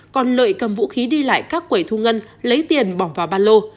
còn lợi cầm vũ khí đi lại các quầy thu ngân lấy tiền bỏ vào ba lô